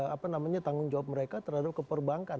apa namanya tanggung jawab mereka terhadap keperbankan